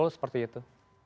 betul seperti itu